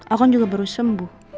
aku juga baru sembuh